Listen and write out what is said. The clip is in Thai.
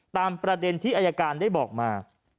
ตามประเด็นที่อายการได้บอกมา